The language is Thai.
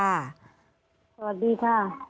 สวัสดีค่ะ